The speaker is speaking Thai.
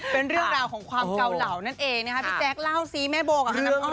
เป็นเรื่องราวของความเกาเหลานั่นเองนะคะพี่แจ๊คเล่าซิแม่โบกับน้ำอ้อม